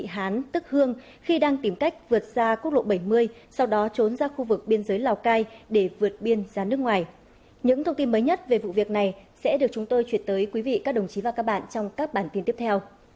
hãy đăng ký kênh để ủng hộ kênh của chúng mình nhé